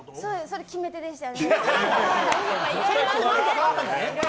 それが決め手でしたね。